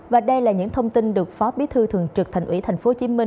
và đây là những thông tin được phó bí thư thường trực thành ủy tp hcm